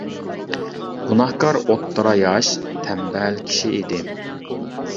گۇناھكار ئوتتۇرا ياش، تەمبەل كىشى ئىدى.